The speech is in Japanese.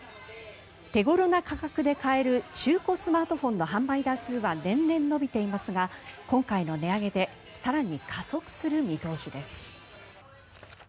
手頃な価格で買える中古スマートフォンの販売台数は年々伸びていますが今回の値上げで更に加速する見通しです。